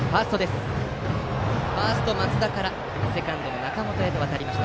ファーストの松田からセカンドの中本へと渡りました。